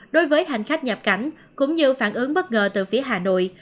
đối với hành khách nhập cảnh cũng như phản ứng bất ngờ từ phía hà nội